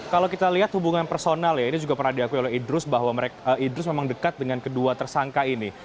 kalau kita lihat hubungan personal ya ini juga pernah diakui oleh idrus bahwa idrus memang dekat dengan kedua tersangka ini